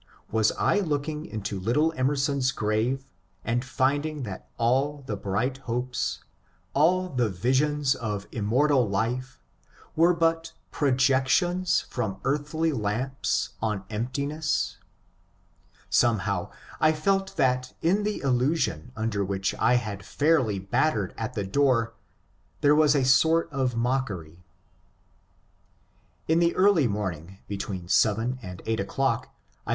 Was I looking into little Emerson's grave and finding that all the bright hopes, all the visions of immortal life, were but projections from earthly lamps on emptiness? Somehow I felt that in the illusion under which I had fairly battered at the door there was a sort of mockery. In the early morning, between seven and eight o'clock, I.